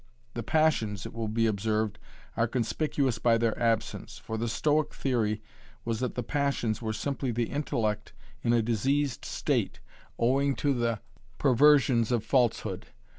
The passions, it will be observed, are conspicuous by their absence. For the Stoic theory was that the passions were simply the intellect in a diseased state owing to the perversions of falsehood.